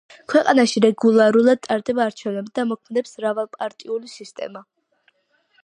ქვეყანაში რეგულარულად ტარდება არჩევნები და მოქმედებს მრავალპარტიული სისტემა.